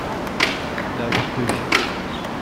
La vie de G.